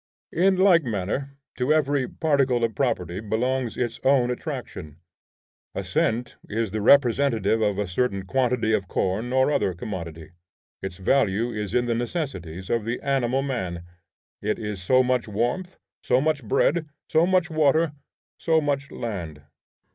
In like manner to every particle of property belongs its own attraction. A cent is the representative of a certain quantity of corn or other commodity. Its value is in the necessities of the animal man. It is so much warmth, so much bread, so much water, so much land.